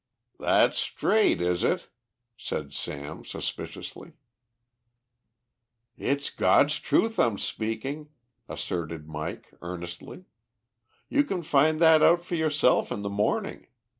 "That's straight, is it?" said Sam suspiciously. "It's God's truth I'm speaking," asserted Mike earnestly. "You can find that out for yourself in the morning.